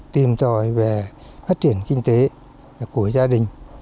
tìm tòi về phát triển kinh tế của gia đình